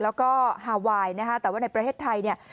แล้วก็ฮาไวน์นะฮะแต่ว่าในประเทศไทยเนี่ย